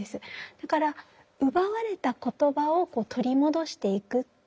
だから奪われた言葉を取り戻していくっていう。